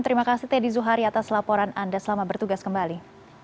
terima kasih teddy zuhari atas laporan anda selamat bertugas kembali